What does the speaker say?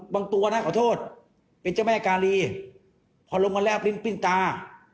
บางตัวนะเป็นเจ้าแม่กาลีพอลงกันแล้วเอาริ้มปิ้นตา